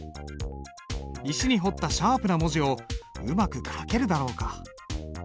石に彫ったシャープな文字をうまく書けるだろうか。